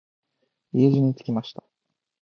家路につきました。